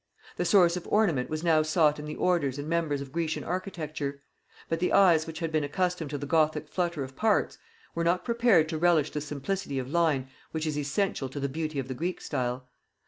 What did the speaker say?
The source of ornament was now sought in the orders and members of Grecian architecture; but the eyes which had been accustomed to the Gothic flutter of parts, were not prepared to relish the simplicity of line which is essential to the beauty of the Greek style.